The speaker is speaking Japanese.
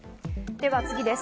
では次です。